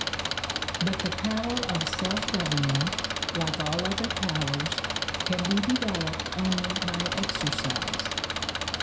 But the power of self government, like all other powers, can be developed only by exercise.